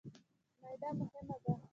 معده مهمه ده.